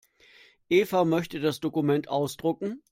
Eva möchte das Dokument ausdrucken.